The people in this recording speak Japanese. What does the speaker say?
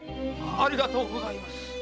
ありがとうございます。